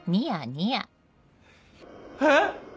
えっ⁉